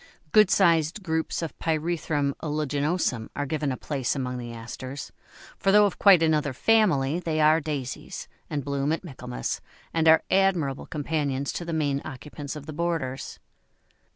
Good sized groups of Pyrethrum uliginosum are given a place among the Asters, for though of quite another family, they are Daisies, and bloom at Michaelmas, and are admirable companions to the main occupants of the borders.